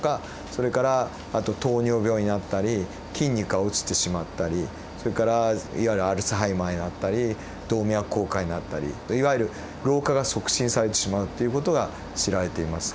それからあと糖尿病になったり筋肉が落ちてしまったりそれからいわゆるアルツハイマーになったり動脈硬化になったりいわゆる老化が促進されてしまうっていう事が知られています。